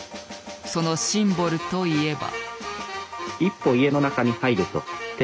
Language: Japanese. そのシンボルといえば。